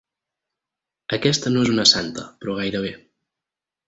Aquesta no és una santa, però gairebé.